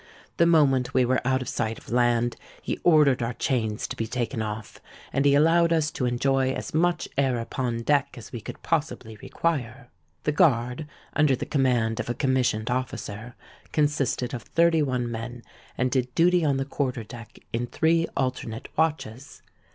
The moment we were out of sight of land, he ordered our chains to be taken off; and he allowed us to enjoy as much air upon deck as we could possibly require. The guard, under the command of a commissioned officer, consisted of thirty one men, and did duty on the quarter deck in three alternate watches.